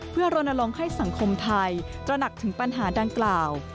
เพื่อรณรงค์ให้สังคมไทยตระหนักถึงปัญหาดังกล่าว